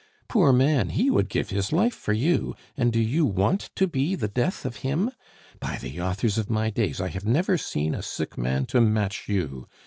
Poor man, he would give his life for you, and do you want to be the death of him? By the authors of my days, I have never seen a sick man to match you!